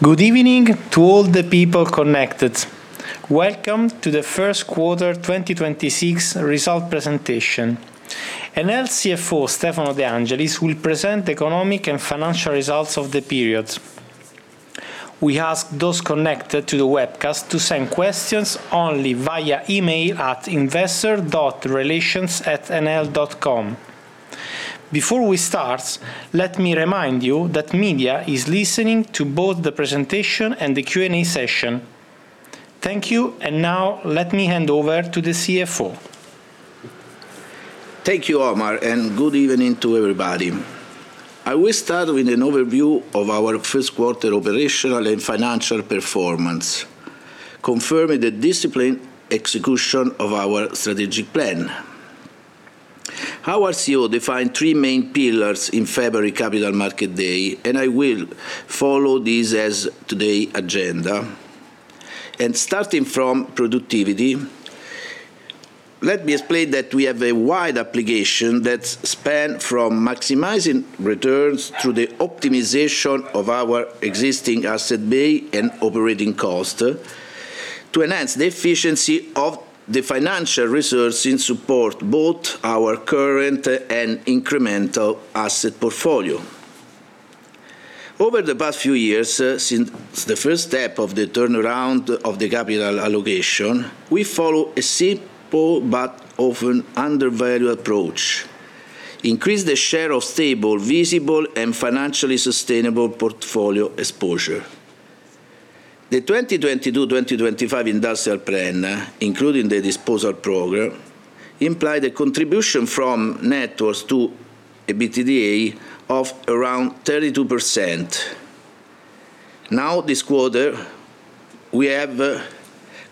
Good evening to all the people connected. Welcome to the first quarter 2026 result presentation. Enel CFO, Stefano De Angelis, will present economic and financial results of the period. We ask those connected to the webcast to send questions only via email at investor.relations@enel.com. Before we start, let me remind you that media is listening to both the presentation and the Q&A session. Thank you, and now let me hand over to the CFO. Thank you, Omar, good evening to everybody. I will start with an overview of our first quarter operational and financial performance, confirming the discipline execution of our strategic plan. Our CEO defined three main pillars in February Capital Markets Day. I will follow this as today agenda. Starting from productivity, let me explain that we have a wide application that span from maximizing returns through the optimization of our existing asset base and operating cost to enhance the efficiency of the financial resourcing support both our current and incremental asset portfolio. Over the past few years, since the first step of the turnaround of the capital allocation, we follow a simple but often undervalued approach: increase the share of stable, visible, and financially sustainable portfolio exposure. The 2022, 2025 Industrial Plan, including the disposal program, implied a contribution from net worth to EBITDA of around 32%. This quarter, we have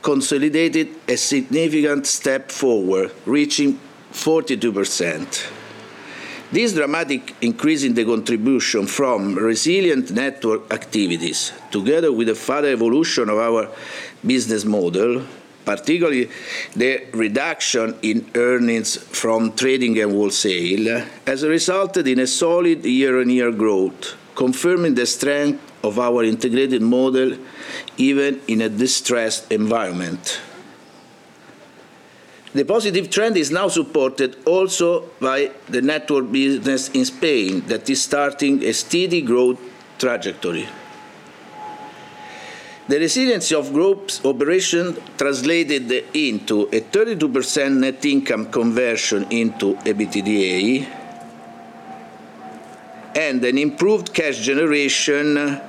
consolidated a significant step forward, reaching 42%. This dramatic increase in the contribution from resilient network activities, together with a further evolution of our business model, particularly the reduction in earnings from trading and wholesale, has resulted in a solid year-on-year growth, confirming the strength of our integrated model, even in a distressed environment. The positive trend is now supported also by the network business in Spain that is starting a steady growth trajectory. The resiliency of group's operation translated into a 32% net income conversion into EBITDA and an improved cash generation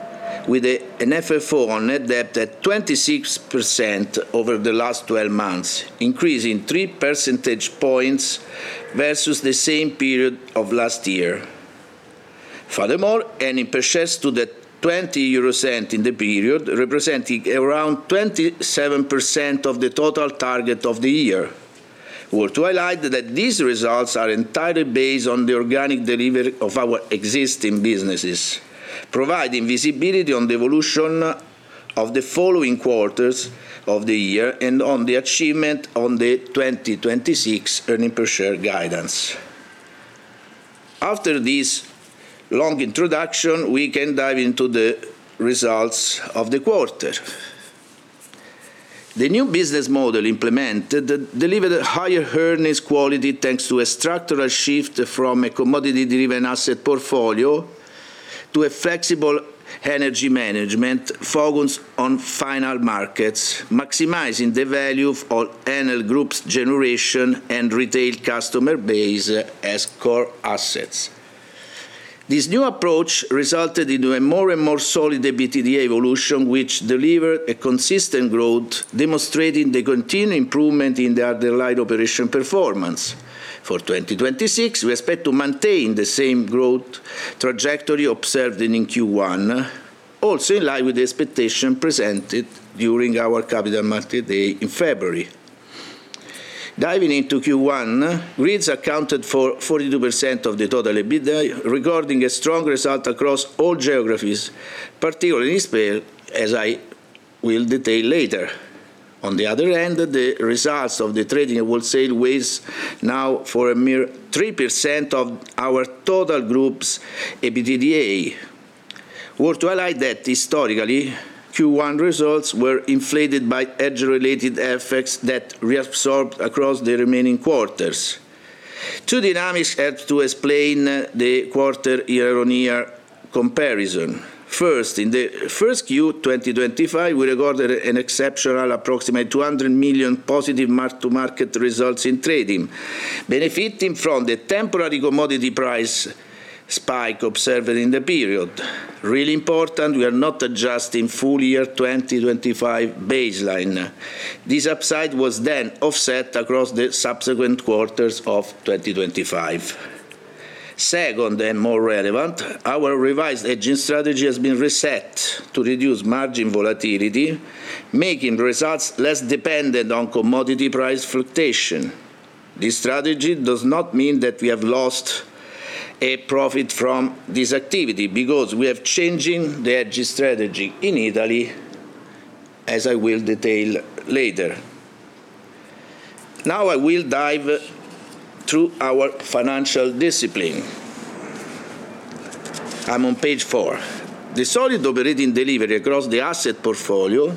with an FFO net debt at 26% over the last 12 months, increasing 3 percentage points versus the same period of last year. Furthermore, earnings per share to 0.20 in the period, representing around 27% of the total target of the year. We will highlight that these results are entirely based on the organic delivery of our existing businesses, providing visibility on the evolution of the following quarters of the year and on the achievement on the 2026 earnings per share guidance. After this long introduction, we can dive into the results of the quarter. The new business model implemented delivered a higher earnings quality, thanks to a structural shift from a commodity-driven asset portfolio to a flexible energy management focused on final markets, maximizing the value of all Enel Group's generation and retail customer base as core assets. This new approach resulted into a more and more solid EBITDA evolution, which delivered a consistent growth, demonstrating the continued improvement in the underlying operational performance. For 2026, we expect to maintain the same growth trajectory observed in Q1, also in line with the expectation presented during our Capital Markets Day in February. Diving into Q1, grids accounted for 42% of the total EBITDA, regarding a strong result across all geographies, particularly in Spain, as I will detail later. On the other hand, the results of the trading and wholesale weighs now for a mere 3% of our total group's EBITDA. We will highlight that historically, Q1 results were inflated by hedge-related effects that reabsorbed across the remaining quarters. Two dynamics help to explain the quarter year-on-year comparison. First, in the first Q 2025, we recorded an exceptional approximately 200 million positive mark-to-market results in trading, benefiting from the temporary commodity price spike observed in the period. Really important, we are not adjusting full year 2025 baseline. This upside was offset across the subsequent quarters of 2025. Second and more relevant, our revised hedging strategy has been reset to reduce margin volatility, making results less dependent on commodity price fluctuation. This strategy does not mean that we have lost a profit from this activity because we are changing the hedging strategy in Italy, as I will detail later. Now I will dive through our financial discipline. I'm on page four. The solid operating delivery across the asset portfolio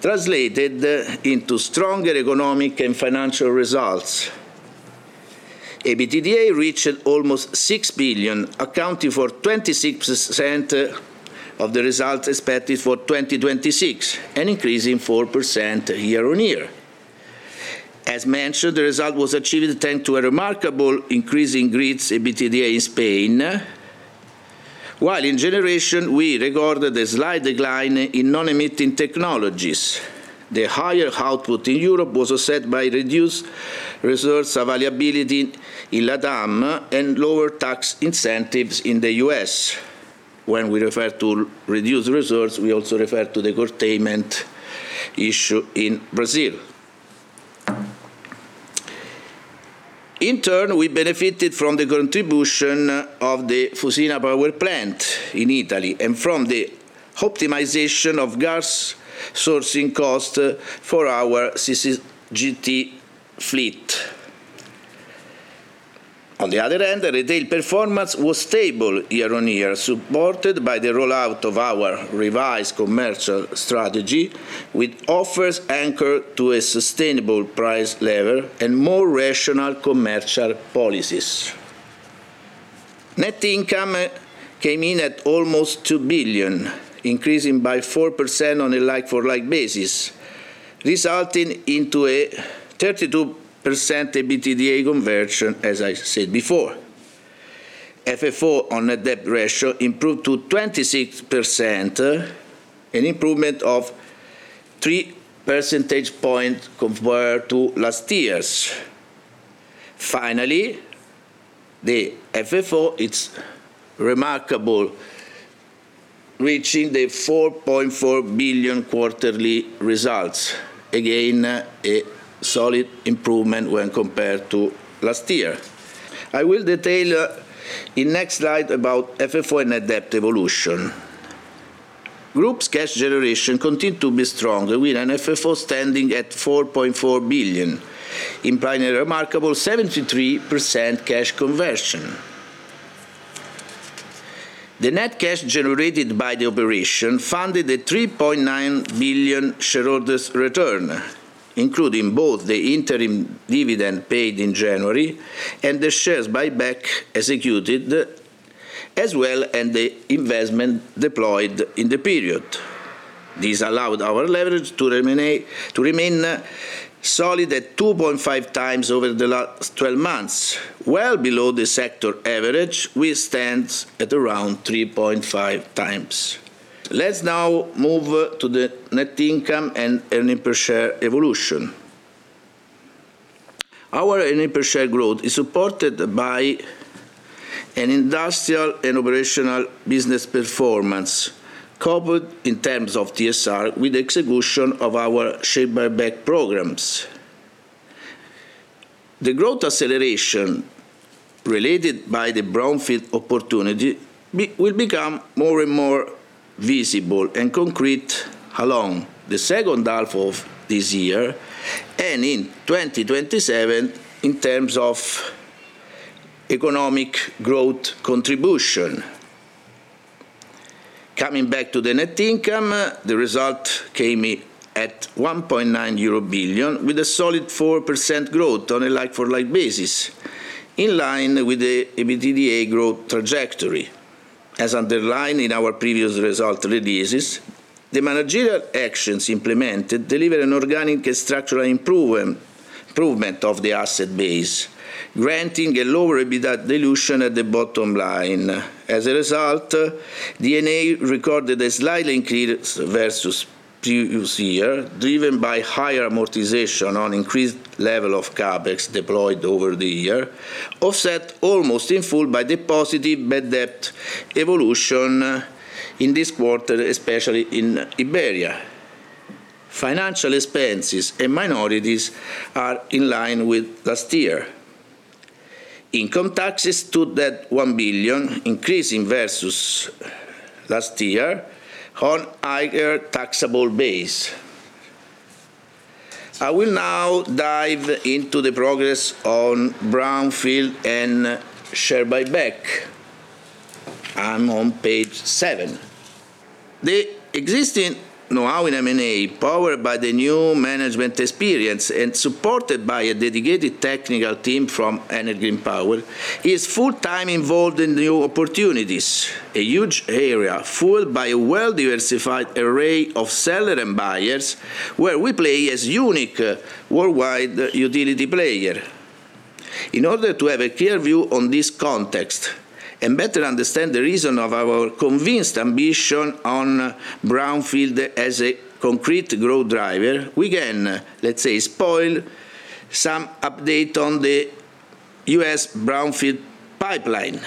translated into stronger economic and financial results. EBITDA reached almost 6 billion, accounting for 26% of the results expected for 2026, and increasing 4% year-over-year. As mentioned, the result was achieved thanks to a remarkable increase in grids EBITDA in Spain, while in generation, we recorded a slight decline in non-emitting technologies. The higher output in Europe was offset by reduced resource availability in LATAM and lower tax incentives in the U.S. When we refer to reduced resource, we also refer to the curtailment issue in Brazil. In turn, we benefited from the contribution of the Fusina Power Plant in Italy and from the optimization of gas sourcing cost for our CCGT fleet. On the other hand, the retail performance was stable year-over-year, supported by the rollout of our revised commercial strategy, with offers anchored to a sustainable price level and more rational commercial policies. Net income came in at almost 2 billion, increasing by 4% on a like-for-like basis, resulting into a 32% EBITDA conversion, as I said before. FFO net debt ratio improved to 26%, an improvement of 3 percentage points compared to last year's. The FFO, it's remarkable, reaching the 4.4 billion quarterly results. A solid improvement when compared to last year. I will detail in next slide about FFO net debt evolution. Group's cash generation continued to be strong with an FFO standing at 4.4 billion, implying a remarkable 73% cash conversion. The net cash generated by the operation funded a 3.9 billion shareholders return, including both the interim dividend paid in January and the shares buyback executed, as well and the investment deployed in the period. This allowed our leverage to remain solid at 2.5x over the last 12 months, well below the sector average, which stands at around 3.5x. Let's now move to the net income and earnings per share evolution. Our earning per share growth is supported by an industrial and operational business performance, coupled in terms of TSR with execution of our share buyback programs. The growth acceleration related by the brownfield opportunity will become more and more visible and concrete along the second half of this year and in 2027 in terms of economic growth contribution. Coming back to the net income, the result came in at 1.9 billion euro, with a solid 4% growth on a like-for-like basis, in line with the EBITDA growth trajectory. As underlined in our previous result releases, the managerial actions implemented deliver an organic and structural improvement of the asset base, granting a lower EBITDA dilution at the bottom line. As a result, D&A recorded a slight increase versus previous year, driven by higher amortization on increased level of CapEx deployed over the year, offset almost in full by the positive bad debt evolution in this quarter, especially in Iberia. Financial expenses and minorities are in line with last year. Income taxes stood at 1 billion, increasing versus last year on higher taxable base. I will now dive into the progress on brownfield and share buyback. I'm on page seven. The existing know-how in M&A, powered by the new management experience and supported by a dedicated technical team from Enel Green Power, is full-time involved in new opportunities, a huge area fueled by a well-diversified array of seller and buyers, where we play as unique worldwide utility player. In order to have a clear view on this context and better understand the reason of our convinced ambition on brownfield as a concrete growth driver, we can, let's say, spoil some update on the U.S. brownfield pipeline.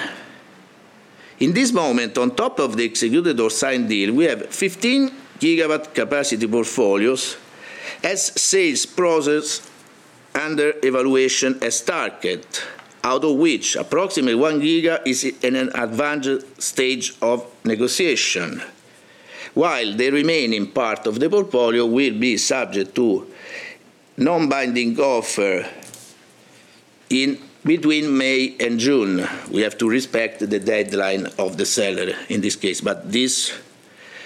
In this moment, on top of the executed or signed deal, we have 15 GW capacity portfolios as sales process under evaluation as target, out of which approximately 1 GW is in an advanced stage of negotiation. The remaining part of the portfolio will be subject to non-binding offer between May and June. We have to respect the deadline of the seller in this case, but this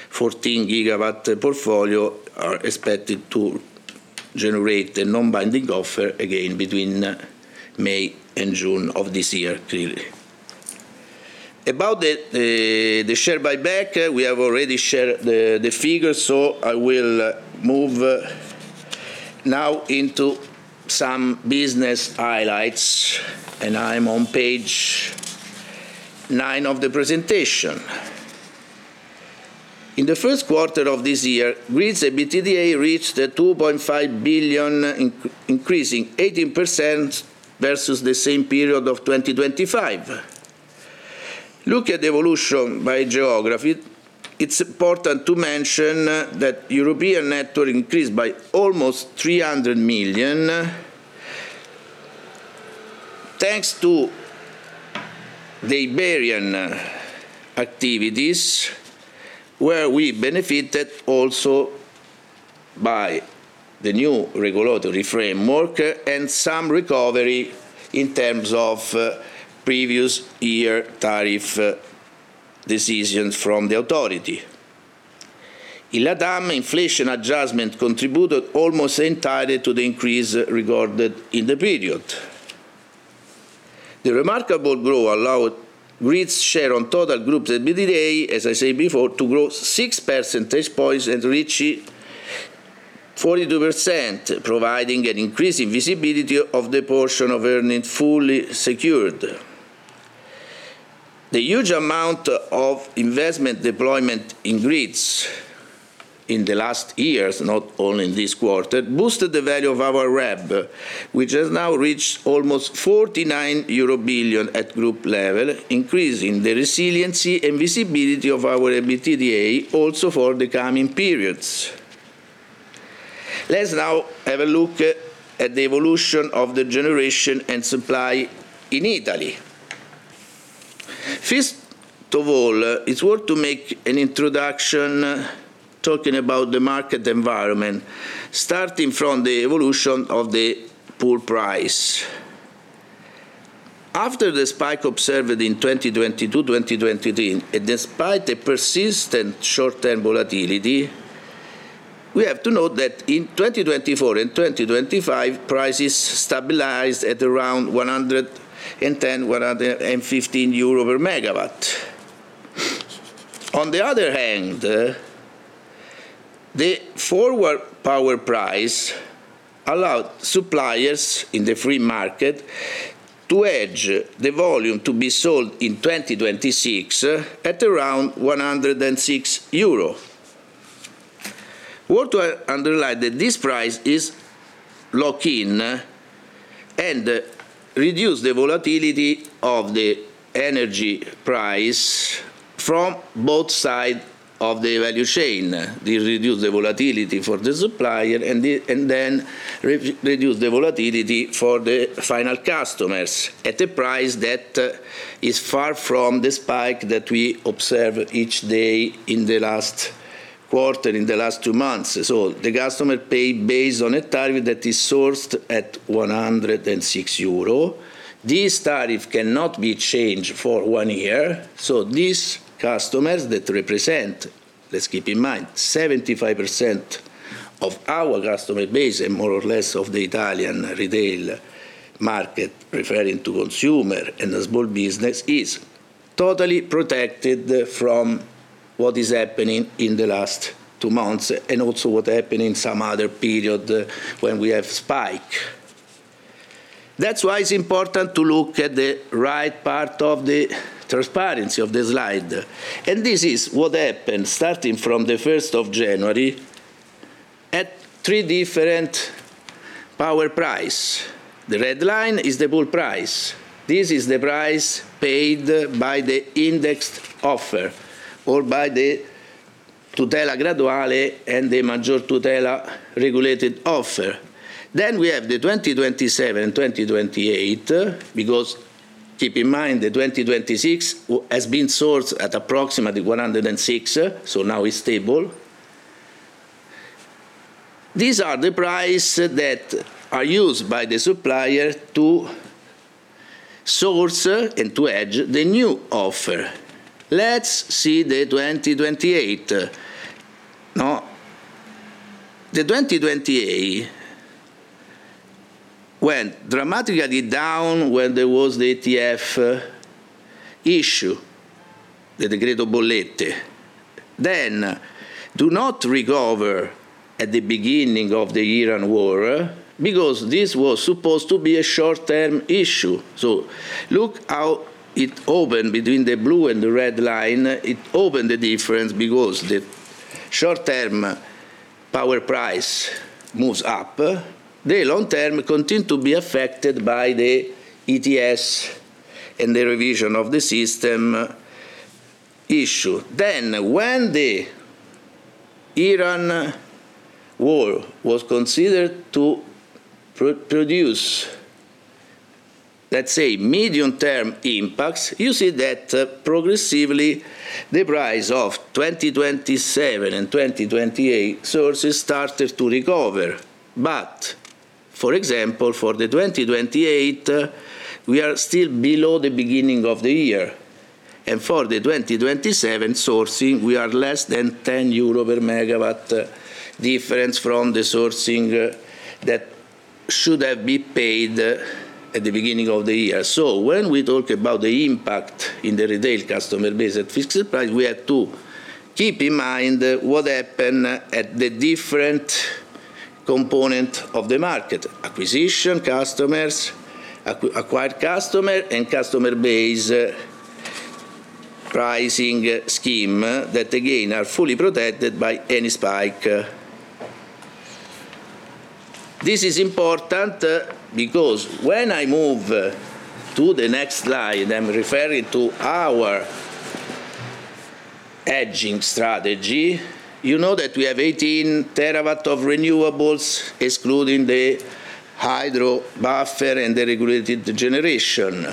14 GW portfolio are expected to generate a non-binding offer again between May and June of this year, clearly. About the share buyback, we have already shared the figures, so I will move now into some business highlights, and I'm on page nine of the presentation. In the first quarter of this year, networks EBITDA reached 2.5 billion, increasing 18% versus the same period of 2025. Look at the evolution by geography. It's important to mention that European networks increased by almost EUR 300 million thanks to the Iberian activities, where we benefited also by the new regulatory framework and some recovery in terms of previous year tariff decisions from the authority. In LATAM, inflation adjustment contributed almost entirely to the increase recorded in the period. The remarkable growth allowed networks share on total group EBITDA, as I said before, to grow 6 percentage points and reach 42%, providing an increasing visibility of the portion of earnings fully secured. The huge amount of investment deployment in grids in the last years, not only in this quarter, boosted the value of our RAB, which has now reached almost 49 billion euro at group level, increasing the resiliency and visibility of our EBITDA also for the coming periods. Let's now have a look at the evolution of the generation and supply in Italy. First of all, it's worth to make an introduction talking about the market environment, starting from the evolution of the pool price. After the spike observed in 2022, 2023, and despite the persistent short-term volatility, we have to note that in 2024 and 2025, prices stabilized at around 110-115 euro per megawatt. On the other hand, the forward power price allowed suppliers in the free market to hedge the volume to be sold in 2026 at around EUR 106. Worth to highlight that this price is locked in and reduce the volatility of the energy price from both sides of the value chain. They reduce the volatility for the supplier and then re-reduce the volatility for the final customers at a price that is far from the spike that we observe each day in the last quarter, in the last two months. The customer pay based on a tariff that is sourced at 106 euro. This tariff cannot be changed for one year, so these customers that represent, let's keep in mind, 75% of our customer base and more or less of the Italian retail market, referring to consumer and the small business, is totally protected from what is happening in the last two months and also what happened in some other period when we have spike. That's why it's important to look at the right part of the transparency of the slide. This is what happened starting from the 1st of January at three different power price. The red line is the pool price. This is the price paid by the indexed offer or by the Tutela Graduale and the Maggior Tutela regulated offer. We have the 2027 and 2028, because keep in mind that 2026 has been sourced at approximately 106, so now it's stable. These are the price that are used by the supplier to source and to hedge the new offer. Let's see the 2028. No. The 2028 went dramatically down when there was the ETF issue, the Decreto Bollette. Do not recover at the beginning of the Iran war because this was supposed to be a short-term issue. Look how it opened between the blue and the red line. It opened the difference because the short-term power price moves up. The long term continued to be affected by the ETS and the revision of the system issue. When the Iran war was considered to produce Let's say medium-term impacts, you see that progressively the price of 2027 and 2028 sources started to recover. For example, for the 2028, we are still below the beginning of the year. For the 2027 sourcing, we are less than 10 euro per megawatt difference from the sourcing that should have been paid at the beginning of the year. When we talk about the impact in the retail customer base at fixed price, we have to keep in mind what happened at the different component of the market. Acquisition customers, acquired customer, and customer base pricing scheme that again, are fully protected by any spike. This is important because when I move to the next slide, I'm referring to our hedging strategy. You know that we have 18 terawatt of renewables, excluding the hydro buffer and the regulated generation.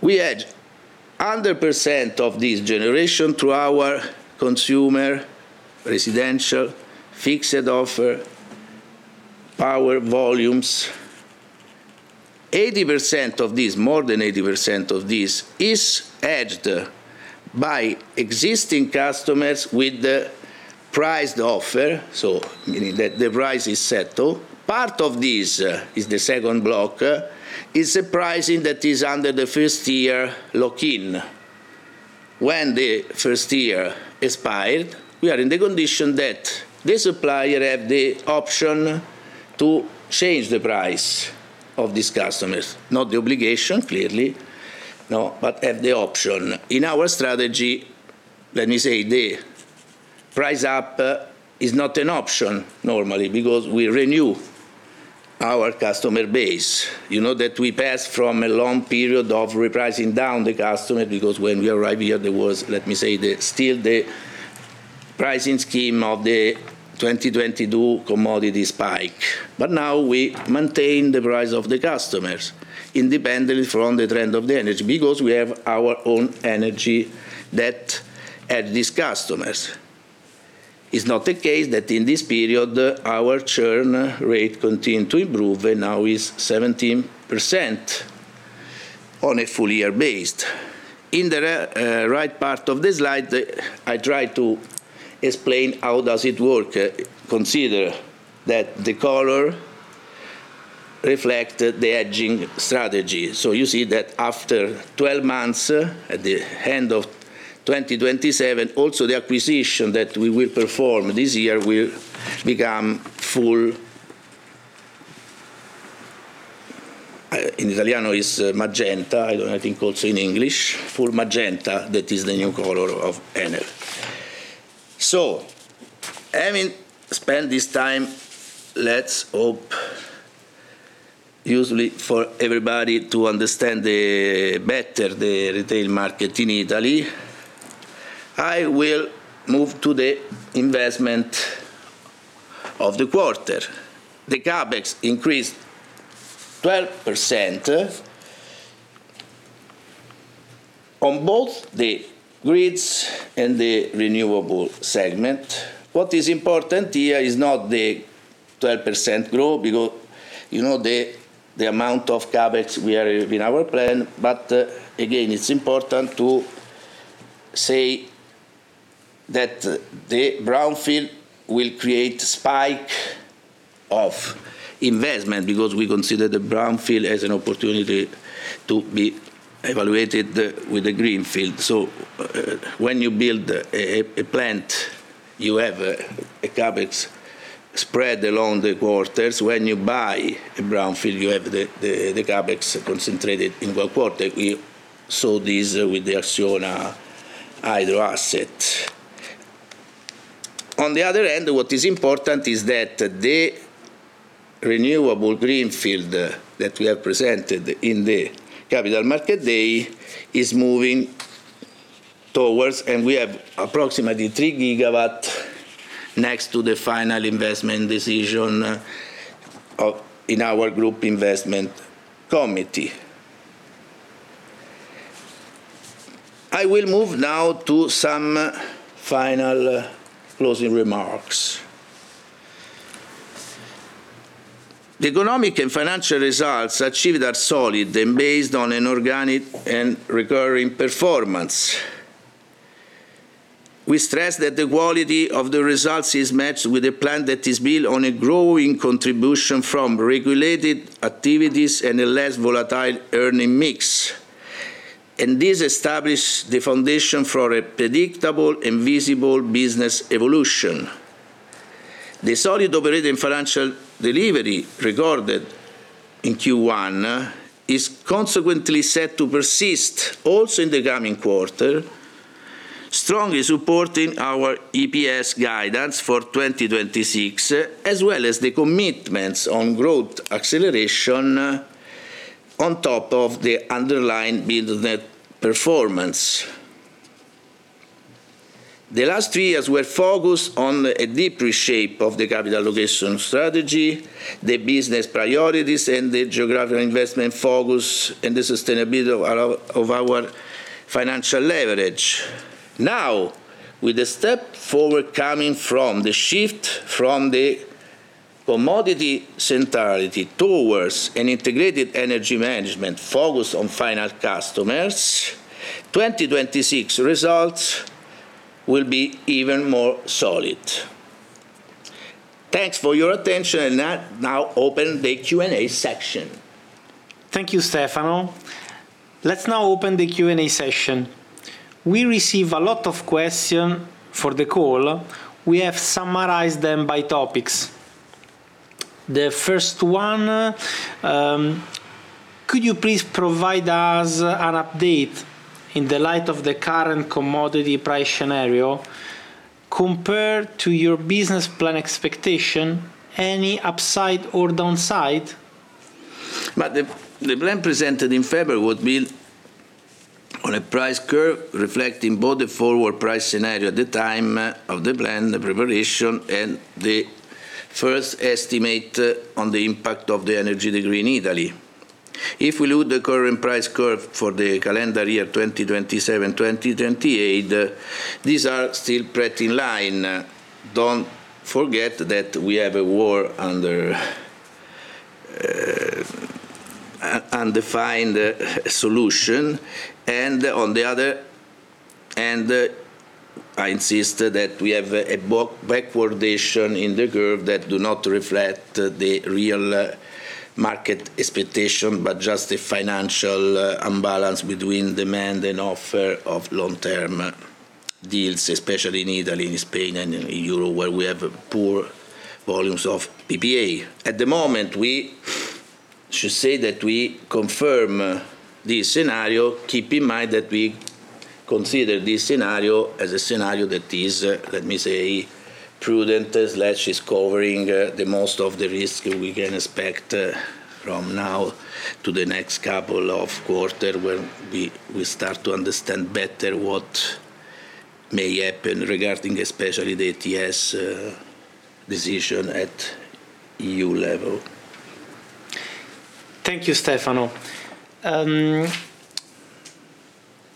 We had 100% of this generation through our consumer, residential, fixed offer, power volumes. 80% of this, more than 80% of this is hedged by existing customers with the priced offer, meaning that the price is settled. Part of this is the second block, is a pricing that is under the first-year lock-in. When the first year expired, we are in the condition that the supplier have the option to change the price of these customers, not the obligation, clearly. No, have the option. In our strategy, let me say the price up is not an option normally because we renew our customer base. You know that we passed from a long period of repricing down the customer because when we arrived here, there was, let me say, the still the pricing scheme of the 2022 commodity spike. Now we maintain the price of the customers independently from the trend of the energy because we have our own energy that add these customers. It's not the case that in this period our churn rate continued to improve and now is 17% on a full year based. In the right part of the slide, I try to explain how does it work. Consider that the color reflect the hedging strategy. You see that after 12 months at the end of 2027, also the acquisition that we will perform this year will become full. In Italiano is magenta. I don't think also in English. Full magenta, that is the new color of Enel. Having spent this time, let's hope usually for everybody to understand the better the retail market in Italy, I will move to the investment of the quarter. The CapEx increased 12% on both the grids and the renewable segment. What is important here is not the 12% growth because you know the amount of CapEx we have in our plan. Again, it's important to say that the brownfield will create spike of investment because we consider the brownfield as an opportunity to be evaluated with the greenfield. When you build a plant, you have a CapEx spread along the quarters. When you buy a brownfield, you have the CapEx concentrated in one quarter. We saw this with the Acciona hydro asset. On the other end, what is important is that the renewable greenfield that we have presented in the Capital Markets Day is moving towards, and we have approximately 3 GW next to the final investment decision of in our group investment committee. I will move now to some final closing remarks. The economic and financial results achieved are solid and based on an organic and recurring performance. We stress that the quality of the results is matched with a plan that is built on a growing contribution from regulated activities and a less volatile earning mix. This establish the foundation for a predictable and visible business evolution. The solid operating financial delivery recorded in Q1 is consequently set to persist also in the coming quarter, strongly supporting our EPS guidance for 2026, as well as the commitments on growth acceleration on top of the underlying business performance. The last three years were focused on a deep reshape of the capital location strategy, the business priorities, and the geographical investment focus and the sustainability of our financial leverage. Now, with a step forward coming from the shift from the commodity centrality towards an integrated energy management focused on final customers, 2026 results will be even more solid. Thanks for your attention. Now open the Q&A section. Thank you, Stefano. Let's now open the Q&A session. We receive a lot of question for the call. We have summarized them by topics. The first one, could you please provide us an update in the light of the current commodity price scenario compared to your business plan expectation, any upside or downside? The plan presented in February would build on a price curve reflecting both the forward price scenario at the time of the plan, the preparation, and the first estimate on the impact of the Energy Decree in Italy. If we look at the current price curve for the calendar year 2027, 2028, these are still pretty in line. Don't forget that we have a war under undefined solution. On the other end, I insist that we have a backwardation in the curve that do not reflect the real market expectation, but just a financial imbalance between demand and offer of long-term deals, especially in Italy, in Spain, and in Europe, where we have poor volumes of PPA. At the moment, we should say that we confirm this scenario. Keep in mind that we consider this scenario as a scenario that is, let me say, prudent/is covering the most of the risk we can expect from now to the next couple of quarter when we start to understand better what may happen regarding especially the ETS decision at EU level. Thank you, Stefano.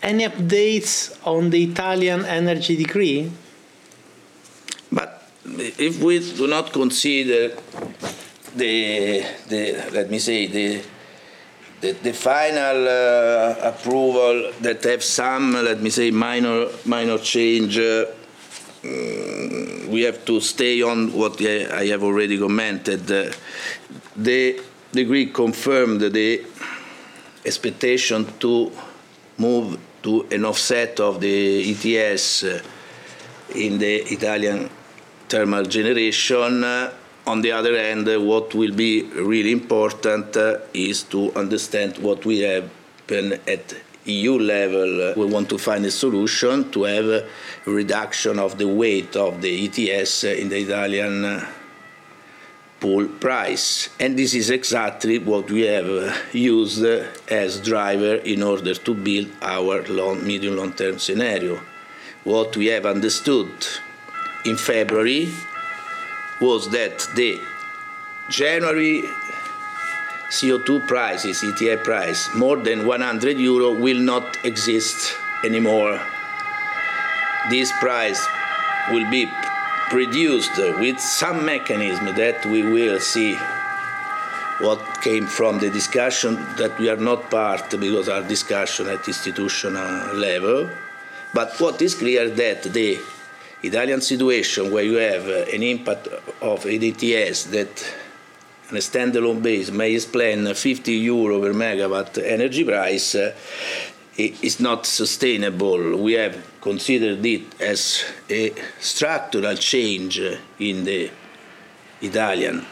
Any updates on the Italian energy decree? If we do not consider the Let me say, the final approval that have some, let me say, minor change, we have to stay on what I have already commented. The decree confirmed the expectation to move to an offset of the ETS in the Italian thermal generation. On the other hand, what will be really important is to understand what will happen at EU level. We want to find a solution to have a reduction of the weight of the ETS in the Italian pool price. This is exactly what we have used as driver in order to build our long medium, long-term scenario. What we have understood in February was that the January CO2 prices, ETS price, more than 100 euro will not exist anymore. This price will be produced with some mechanism that we will see what came from the discussion that we are not part because our discussion at institutional level. What is clear that the Italian situation where you have an impact of ADTS that on a standalone base may explain 50 euro over megawatt energy price is not sustainable. We have considered it as a structural change in the Italian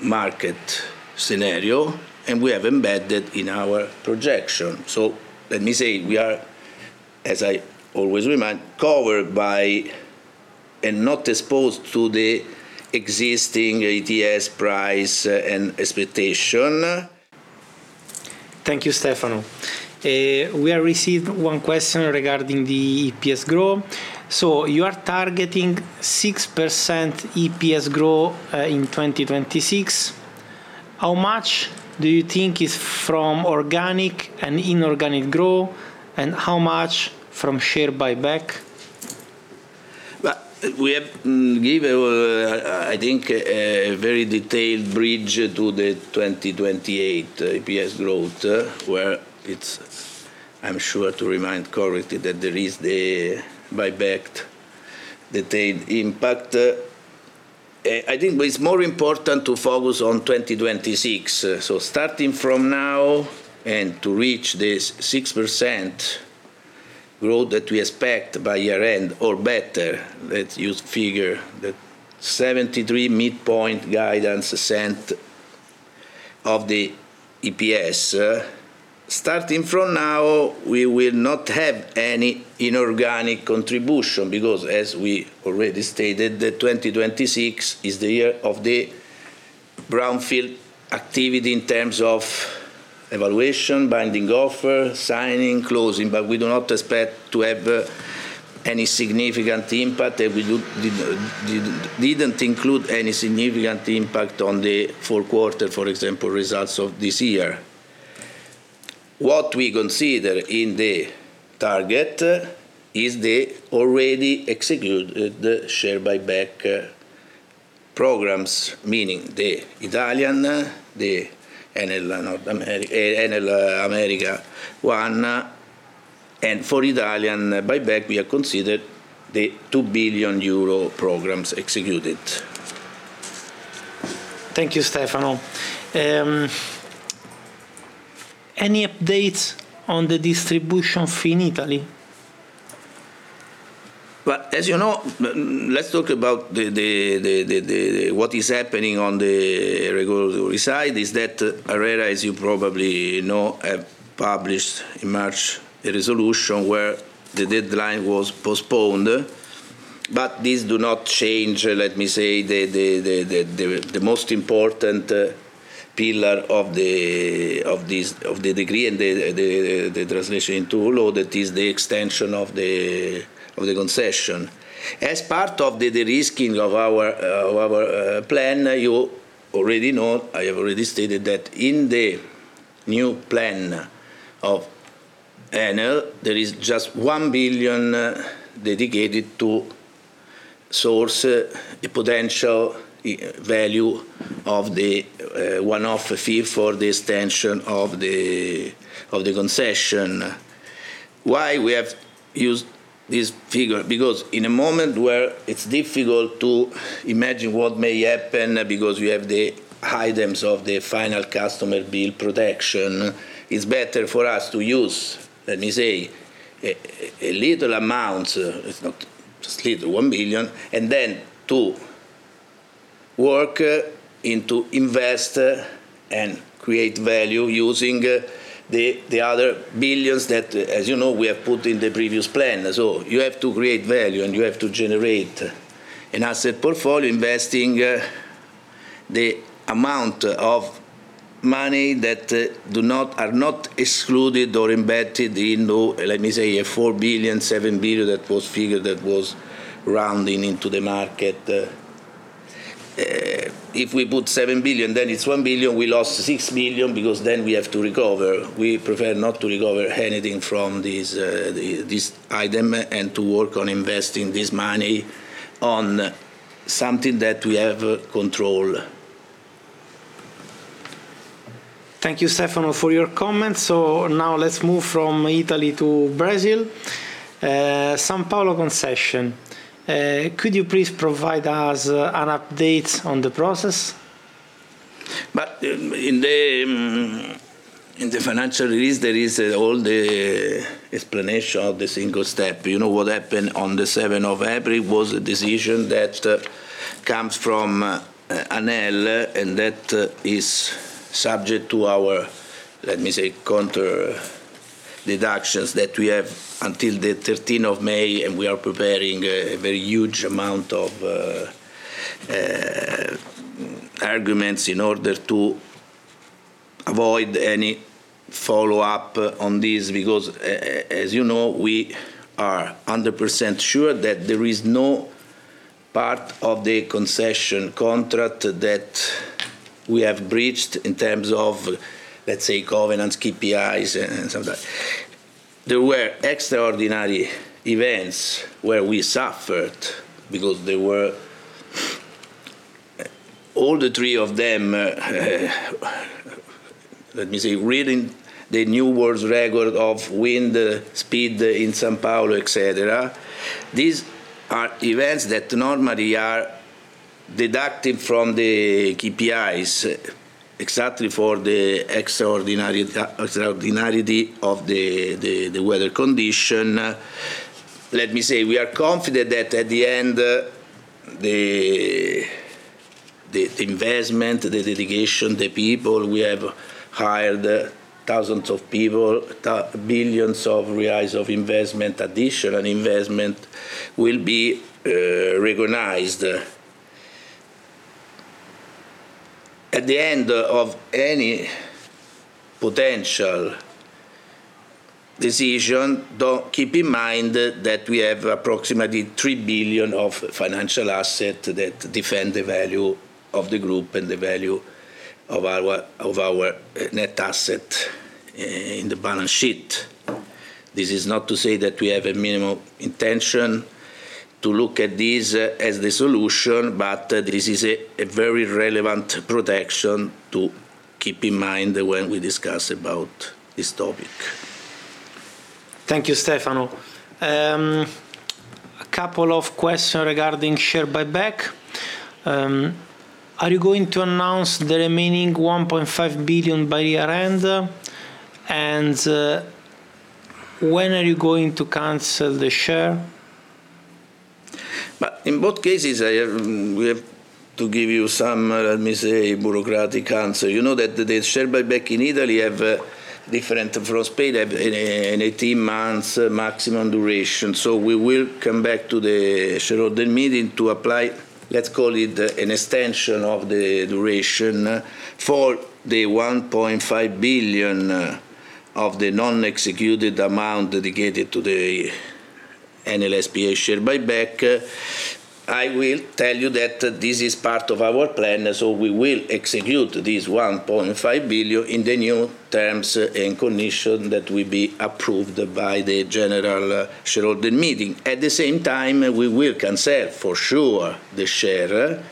market scenario, and we have embedded in our projection. Let me say, we are, as I always remind, covered by and not exposed to the existing ETS price and expectation. Thank you, Stefano. We have received one question regarding the EPS growth. You are targeting 6% EPS growth in 2026. How much do you think is from organic and inorganic growth, and how much from share buyback? We have given, I think, a very detailed bridge to the 2028 EPS growth, where it's, I'm sure to remind correctly, that there is the buyback detailed impact. I think it's more important to focus on 2026. Starting from now and to reach this 6% growth that we expect by year-end or better, let's use figure that 73% midpoint guidance of the EPS. Starting from now, we will not have any inorganic contribution because as we already stated, the 2026 is the year of the brownfield activity in terms of evaluation, binding offer, signing, closing, but we do not expect to have any significant impact, and we didn't include any significant impact on the fourth quarter, for example, results of this year. What we consider in the target is the already executed share buyback programs, meaning the Italian, the Enel Américas one. For Italian buyback, we have considered the 2 billion euro programs executed. Thank you, Stefano. Any updates on the distribution fee in Italy? As you know, let's talk about what is happening on the regulatory side is that ARERA, as you probably know, have published in March a resolution where the deadline was postponed. This do not change, let me say, the most important pillar of this degree and the translation into law that is the extension of the concession. As part of the de-risking of our plan, you already know, I have already stated that in the new plan of Enel, there is just 1 billion dedicated to source a potential value of the one-off fee for the extension of the concession. Why we have used this figure? In a moment where it's difficult to imagine what may happen because we have the items of the final customer bill protection, it's better for us to use, let me say, a little amount, it's not just little, 1 billion, and then to work into invest and create value using the other billions that, as you know, we have put in the previous plan. You have to create value, and you have to generate an asset portfolio investing the amount of money that are not excluded or embedded into, let me say, 4 billion, 7 billion that was figured, that was rounding into the market. If we put 7 billion, then it's 1 billion, we lost 6 billion because then we have to recover. We prefer not to recover anything from this item and to work on investing this money on something that we have control. Thank you, Stefano, for your comments. Now let's move from Italy to Brazil. São Paulo concession, could you please provide us an update on the process? In the financial release, there is all the explanation of the single step. You know what happened on the seventh of April was a decision that comes from Enel, and that is subject to our, let me say, counter deductions that we have until the 13th of May, and we are preparing a very huge amount of arguments in order to avoid any follow-up on this because as you know, we are 100% sure that there is no part of the concession contract that we have breached in terms of, let me say, governance, KPIs and some of that. There were extraordinary events where we suffered because there were all the three of them, let me say, reading the new world's record of wind speed in São Paulo, et cetera. These are events that normally are deducted from the KPIs, exactly for the extraordinary of the weather condition. Let me say, we are confident that at the end, the investment, the dedication, the people, we have hired thousands of people, billions of reais of investment, additional investment will be recognized. At the end of any potential decision, do keep in mind that we have approximately 3 billion of financial asset that defend the value of the group and the value of our net asset in the balance sheet. This is not to say that we have a minimal intention to look at this as the solution, but this is a very relevant protection to keep in mind when we discuss about this topic. Thank you, Stefano. A couple of questions regarding share buyback. Are you going to announce the remaining 1.5 billion by year-end? When are you going to cancel the share? In both cases, we have to give you some, let me say, bureaucratic answer. You know that the share buyback in Italy have a different prospect, in 18 months maximum duration. We will come back to the shareholder meeting to apply, let's call it, an extension of the duration for the 1.5 billion of the non-executed amount dedicated to the Enel S.p.A. share buyback. I will tell you that this is part of our plan, so we will execute this 1.5 billion in the new terms and condition that will be approved by the general shareholder meeting. At the same time, we will cancel, for sure, the share.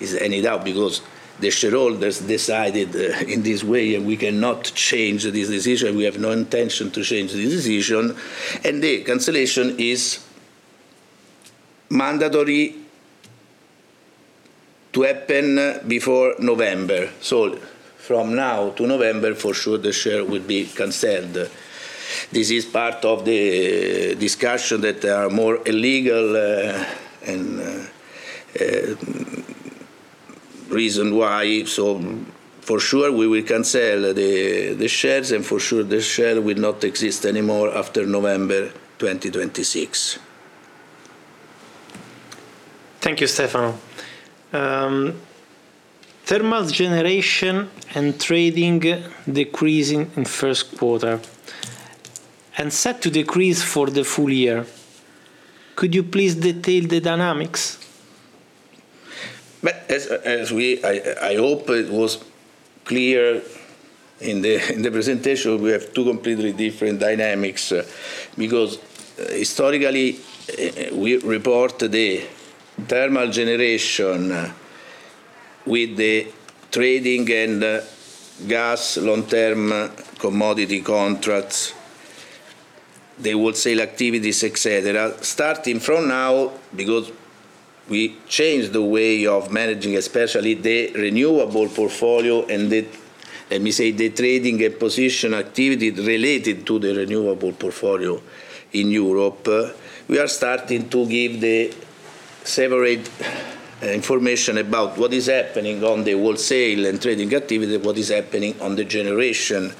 Is any doubt? Because the shareholders decided in this way, we cannot change this decision. We have no intention to change the decision, the cancellation is mandatory to happen before November. From now to November, for sure, the share will be canceled. This is part of the discussion that are more illegal, and reason why. For sure, we will cancel the shares, and for sure the share will not exist anymore after November 2026. Thank you, Stefano. Thermal generation and trading decreasing in first quarter and set to decrease for the full year. Could you please detail the dynamics? As, as we I hope it was clear in the presentation, we have two completely different dynamics. Because historically, we report the thermal generation with the trading and gas long-term commodity contracts, the wholesale activities, et cetera. Starting from now, because we changed the way of managing especially the renewable portfolio and the, let me say, the trading and position activity related to the renewable portfolio in Europe, we are starting to give the separate information about what is happening on the wholesale and trading activity, what is happening on the generation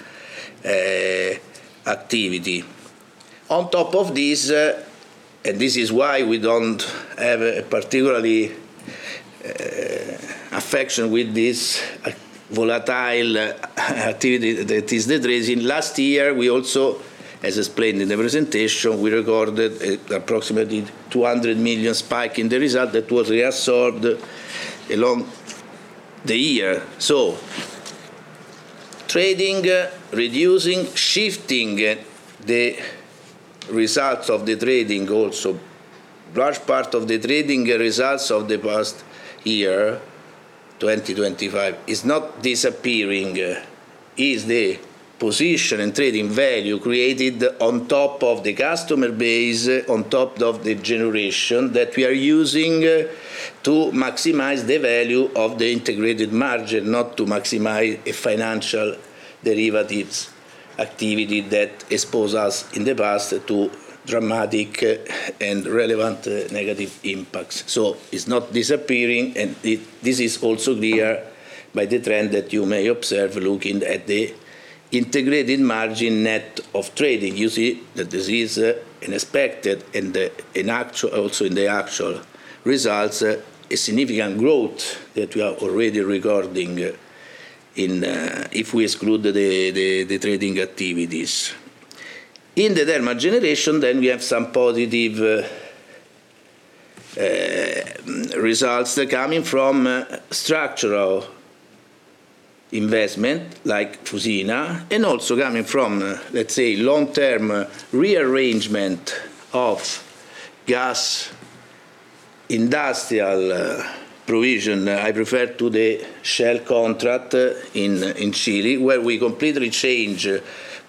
activity. On top of this, and this is why we don't have a particularly affection with this volatile activity that is the trading. Last year, we also, as explained in the presentation, we recorded approximately 200 million spike in the result that was reabsorbed along the year. Trading, reducing, shifting the results of the trading also. Large part of the trading results of the past year, 2025, is not disappearing, is the position and trading value created on top of the customer base, on top of the generation that we are using to maximize the value of the integrated margin, not to maximize a financial derivatives activity that expose us in the past to dramatic and relevant negative impacts. It's not disappearing, and this is also clear by the trend that you may observe looking at the integrated margin net of trading. You see that this is unexpected and, in actual also in the actual results, a significant growth that we are already recording in, if we exclude the trading activities. In the thermal generation, we have some positive results coming from structural investment like Fusina and also coming from, let me say, long-term rearrangement of gas industrial provision. I refer to the Shell contract in Chile, where we completely change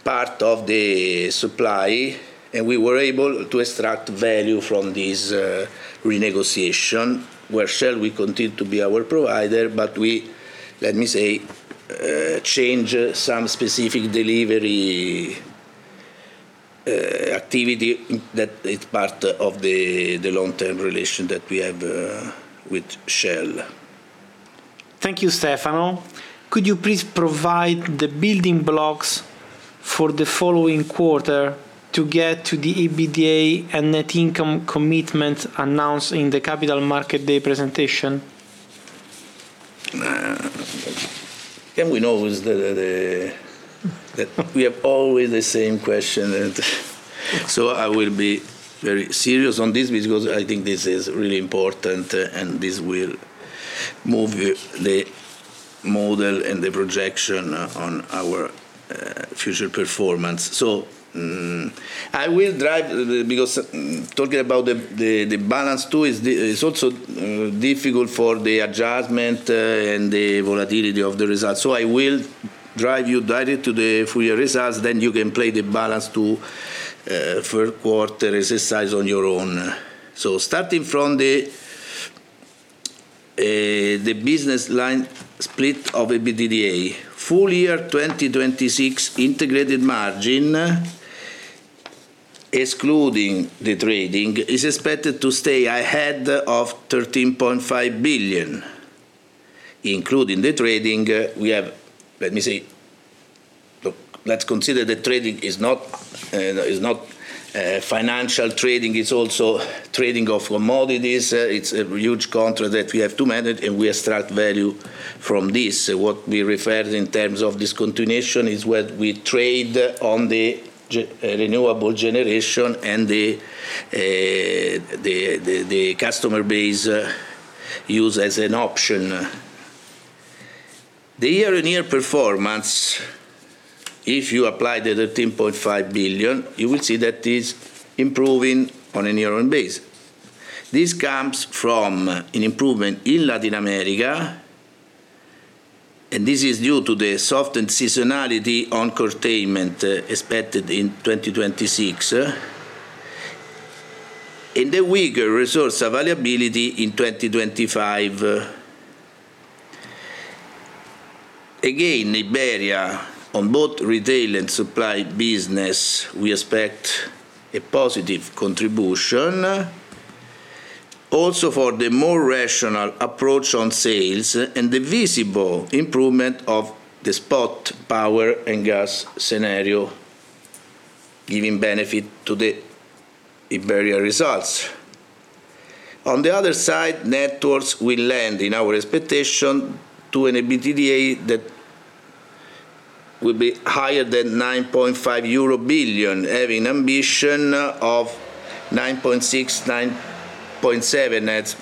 part of the supply, and we were able to extract value from this renegotiation, where Shell will continue to be our provider, but we, let me say, change some specific delivery activity that is part of the long-term relation that we have with Shell. Thank you, Stefano. Could you please provide the building blocks for the following quarter to get to the EBITDA and net income commitment announced in the Capital Markets Day presentation? We have always the same question. I will be very serious on this because I think this is really important, and this will move the model and the projection on our future performance. I will drive because talking about the balance too is also difficult for the adjustment and the volatility of the results. I will drive you directly to the full year results, then you can play the balance to Q4 exercise on your own. Full year 2026 integrated margin, excluding the trading, is expected to stay ahead of 13.5 billion. Including the trading, we have. Let me say, look, let's consider the trading is not financial trading. It is also trading of commodities. It's a huge contract that we have to manage, and we extract value from this. What we refer in terms of discontinuation is what we trade on the renewable generation and the customer base use as an option. The year-on-year performance, if you apply the 13.5 billion, you will see that it's improving on a year-on-year base. This comes from an improvement in Latin America, and this is due to the softened seasonality on curtailment expected in 2026 and the weaker resource availability in 2025. Again, Iberia, on both retail and supply business, we expect a positive contribution. For the more rational approach on sales and the visible improvement of the spot power and gas scenario giving benefit to the Iberia results. On the other side, networks will land in our expectation to an EBITDA that will be higher than 9.5 billion euro, having ambition of 9.6 billion, 9.7 billion at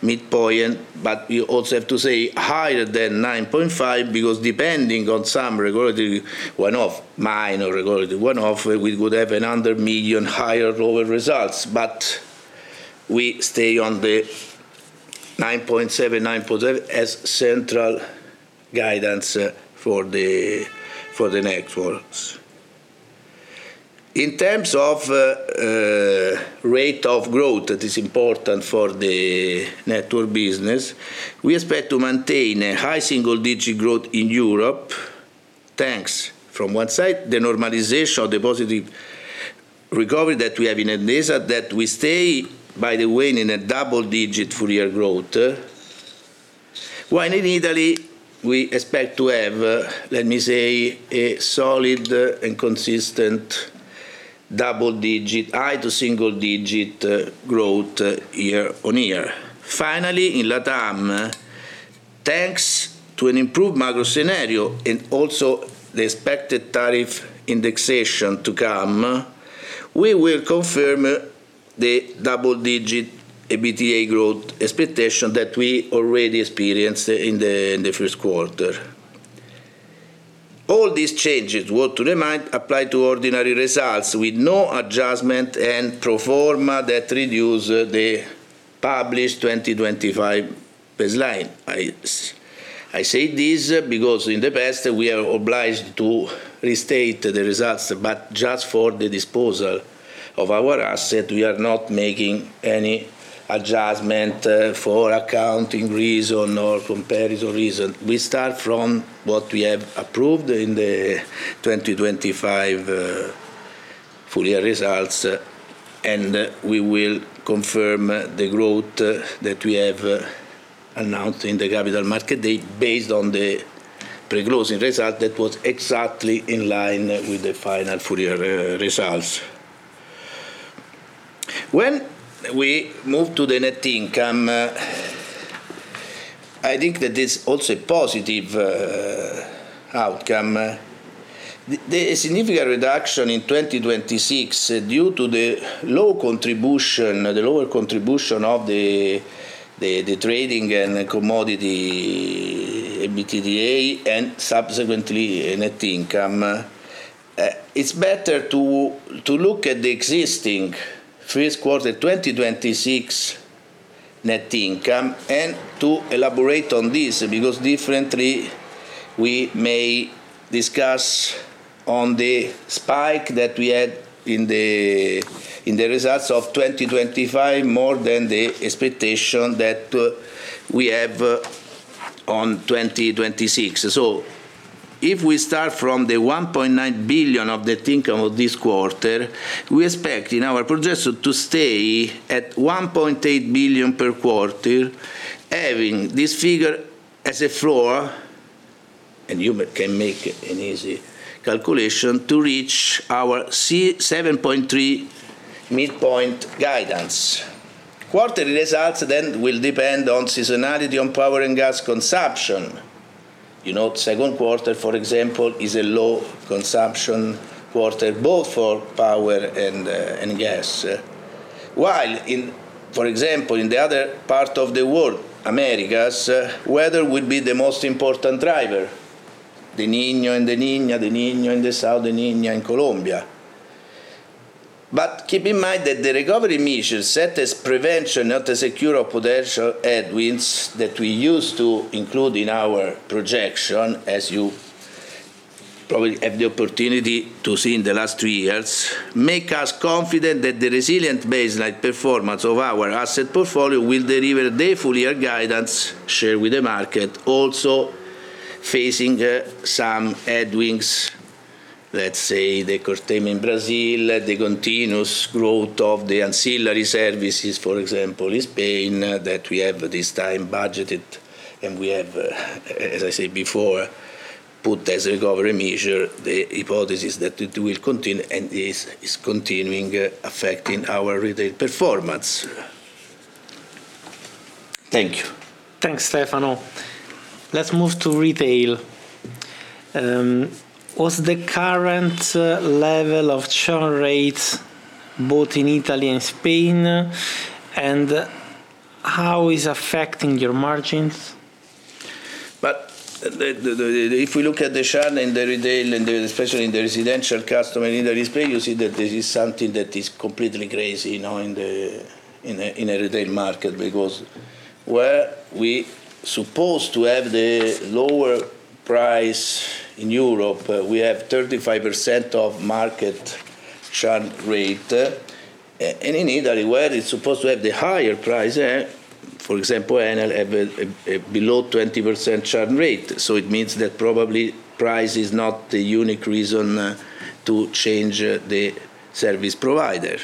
midpoint. We also have to say higher than 9.5 billion because depending on some regulatory one-off, minor regulatory one-off, we could have another 1 million higher or lower results. We stay on the 9.7 billion as central guidance for the networks. In terms of rate of growth that is important for the network business, we expect to maintain a high single-digit growth in Europe. Thanks from one side, the normalization or the positive recovery that we have in Enel that we stay, by the way, in a double-digit full-year growth. While in Italy, we expect to have, let me say, a solid and consistent double-digit high to single-digit growth year-on-year. Finally, in LATAM, thanks to an improved macro scenario and also the expected tariff indexation to come, we will confirm the double-digit EBITDA growth expectation that we already experienced in the first quarter. All these changes, worth to remind, apply to ordinary results with no adjustment and pro forma that reduce the published 2025 baseline. I say this because in the past, we are obliged to restate the results, but just for the disposal of our asset, we are not making any adjustment for accounting reason or comparison reason. We start from what we have approved in the 2025 full-year results, and we will confirm the growth that we have announced in the Capital Markets Day based on the pre-closing result that was exactly in line with the final full-year re-results. When we move to the net income, I think that is also a positive outcome. The significant reduction in 2026 due to the low contribution, the lower contribution of the trading and the commodity EBITDA and subsequently net income, it's better to look at the existing first quarter 2026 net income and to elaborate on this because differently we may discuss on the spike that we had in the results of 2025 more than the expectation that we have on 2026. If we start from the 1.9 billion of the net income of this quarter, we expect in our projection to stay at 1.8 billion per quarter, having this figure as a floor, and you can make an easy calculation to reach our 7.3 billion midpoint guidance. Quarterly results will depend on seasonality on power and gas consumption. You know, second quarter, for example, is a low consumption quarter both for power and gas. While in, for example, in the other part of the world, Americas, weather would be the most important driver. El Niño and La Niña, El Niño in the South, La Niña in Colombia. Keep in mind that the recovery measures set as prevention, not as a cure of potential headwinds that we used to include in our projection, as you probably have the opportunity to see in the last three years, make us confident that the resilient baseline performance of our asset portfolio will deliver the full-year guidance shared with the market. Also facing some headwinds, let's say the curtailment in Brazil, the continuous growth of the ancillary services, for example, in Spain, that we have this time budgeted, and we have, as I said before, put as a recovery measure the hypothesis that it will continue, and is continuing, affecting our retail performance. Thank you. Thanks, Stefano. Let's move to retail. Was the current level of churn rates both in Italy and Spain, and how is affecting your margins? If we look at the churn in the retail and especially in the residential customer in the retail, you see that this is something that is completely crazy now in the retail market. Where we supposed to have the lower price in Europe, we have 35% of market churn rate. In Italy, where it's supposed to have the higher price, for example, Enel have a below 20% churn rate. It means that probably price is not the unique reason to change the service provider.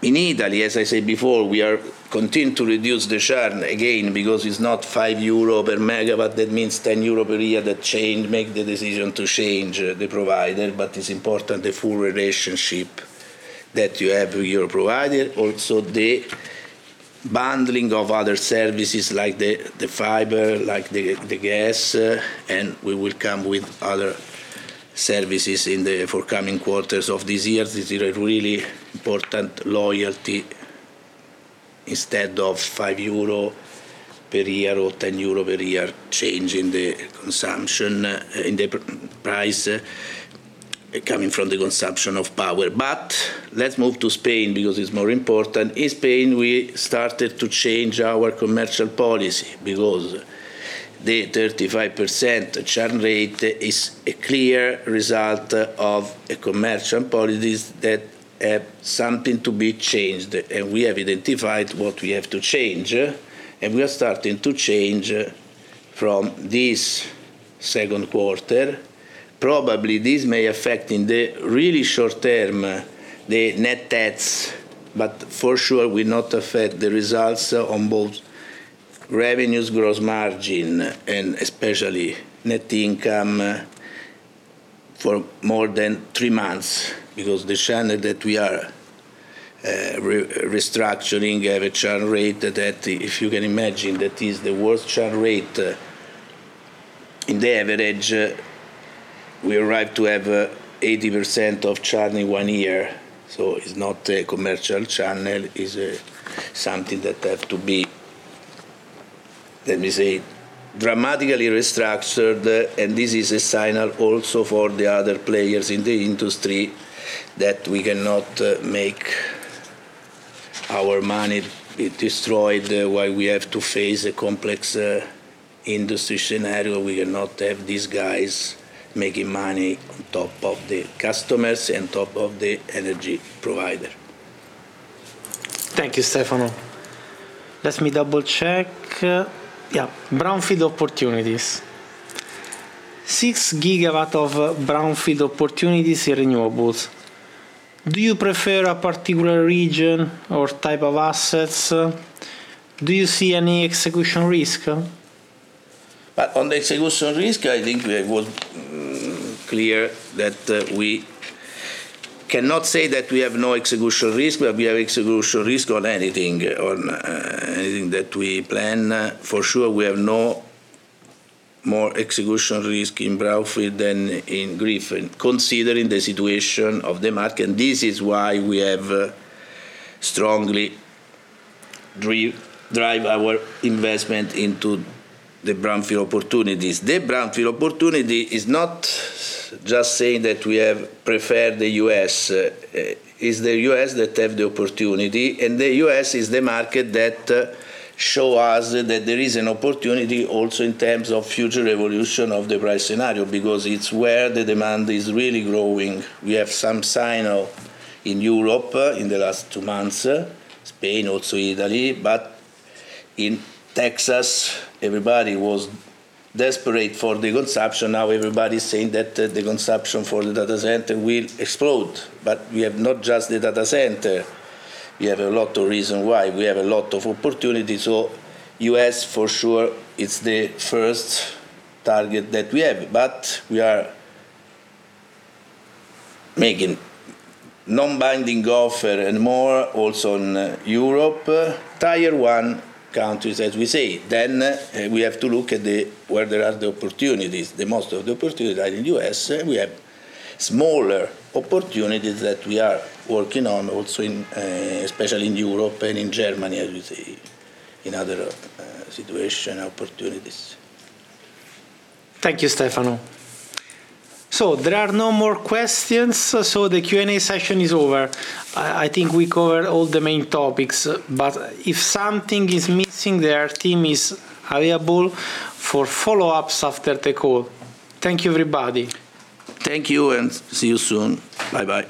In Italy, as I said before, we are continuing to reduce the churn again because it's not 5 euro per megawatt. That means 10 euro per year that change, make the decision to change the provider. It's important the full relationship that you have with your provider. The bundling of other services like the fiber, like the gas, and we will come with other services in the forthcoming quarters of this year. These are really important loyalty. Instead of 5 euro per year or 10 euro per year change in the consumption, in the price, coming from the consumption of power. Let's move to Spain because it's more important. In Spain, we started to change our commercial policy because the 35% churn rate is a clear result of a commercial policies that have something to be changed. We have identified what we have to change, and we are starting to change from this second quarter. Probably this may affect in the really short term, the net debts, but for sure will not affect the results on both revenues, gross margin, and especially net income, for more than three months. The channel that we are restructuring have a churn rate that, if you can imagine, that is the worst churn rate in the average. We arrive to have 80% of churn in one year, it's not a commercial channel. Is something that have to be, let me say, dramatically restructured. This is a signal also for the other players in the industry that we cannot make our money destroyed while we have to face a complex industry scenario. We cannot have these guys making money on top of the customers, on top of the energy provider. Thank you, Stefano. Let me double-check. Yeah. Brownfield opportunities. 6 GW of brownfield opportunities in renewables. Do you prefer a particular region or type of assets? Do you see any execution risk? On the execution risk, I think we were clear that we cannot say that we have no execution risk, but we have execution risk on anything, on anything that we plan. For sure we have no more execution risk in brownfield than in greenfield, considering the situation of the market. This is why we have strongly drive our investment into the brownfield opportunities. The brownfield opportunity is not just saying that we have preferred the U.S. Is the U.S. that have the opportunity, and the U.S. is the market that show us that there is an opportunity also in terms of future evolution of the price scenario, because it's where the demand is really growing. We have some sign of in Europe in the last two months, Spain, also Italy. In Texas, everybody was desperate for the consumption. Everybody's saying that the consumption for the data center will explode. We have not just the data center. We have a lot of reason why. We have a lot of opportunities. U.S., for sure, is the first target that we have. We are making non-binding offer and more also in Europe, tier 1 countries, as we say. We have to look at the where there are the opportunities. The most of the opportunity are in the U.S. We have smaller opportunities that we are working on also in, especially in Europe and in Germany, as we say, in other, situation opportunities. Thank you, Stefano. There are no more questions, the Q&A session is over. I think we covered all the main topics, if something is missing, their team is available for follow-ups after the call. Thank you, everybody. Thank you. See you soon. Bye-bye.